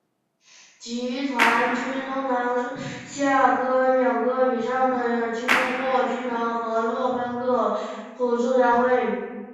集团军通常下辖两个以上的军或军团和若干其他辅助单位。